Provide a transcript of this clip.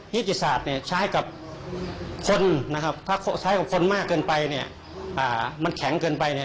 ฮิจิศาสตร์ใช้กับคนถ้าใช้กับคนมากเกินไปมันแข็งเกินไป